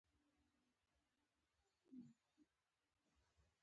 شین چای د روغتیا لپاره ډېره ګټه لري.